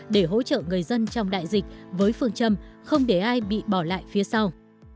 để hỗ trợ người dân trong đại dịch với phương châm không để ai bị bỏ lại phía sau